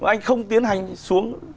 anh không tiến hành xuống